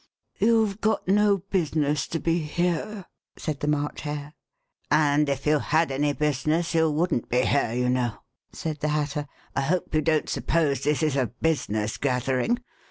YouVe got no business to be here," said the March Hare. And if you had any business you wouldn't be here, you know,'' said the Hatter ;I hope you don't suppose this is a business gathering.